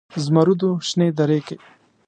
زمرودو شنې درې کې